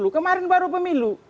kemarin baru pemilu